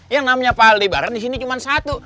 yang namanya pak aldebaran di sini cuma satu